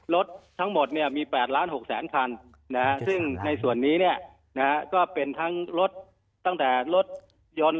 รถทั้งหมดมี๘ล้าน๖แสนคันซึ่งในส่วนนี้ก็เป็นทั้งรถตั้งแต่รถยนต์